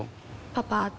パパ。